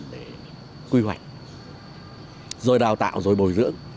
để quy hoạch rồi đào tạo rồi bồi dưỡng